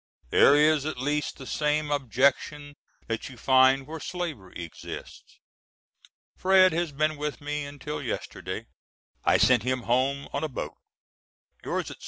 There is at least the same objection that you find where slavery exists. Fred. has been with me until yesterday; I sent him home on a boat. Yours &c.